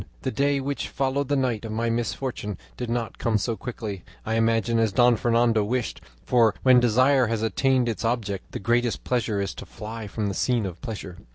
"The day which followed the night of my misfortune did not come so quickly, I imagine, as Don Fernando wished, for when desire has attained its object, the greatest pleasure is to fly from the scene of pleasure.